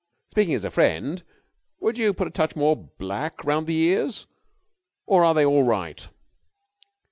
Speaking as a friend, would you put a touch more black round the ears, or are they all right?"